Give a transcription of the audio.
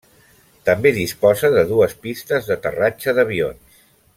També disposa de dues pistes d'aterratge d'avions.